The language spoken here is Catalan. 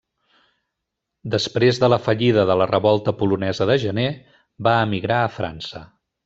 Després de la fallida de la Revolta polonesa de gener, va emigrar a França.